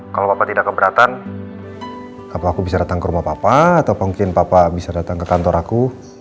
kalau bapak tidak keberatan apakah aku bisa datang ke rumah bapak atau mungkin papa bisa datang ke kantor aku